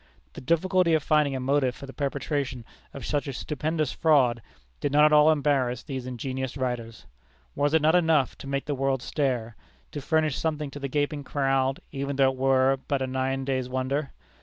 The difficulty of finding a motive for the perpetration of such a stupendous fraud, did not at all embarrass these ingenious writers. Was it not enough to make the world stare? to furnish something to the gaping crowd, even though it were but a nine days' wonder?